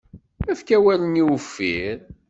Efk awal-nni uffir.